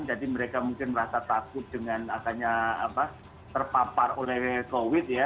jadi mereka mungkin merasa takut dengan adanya apa terpapar oleh covid ya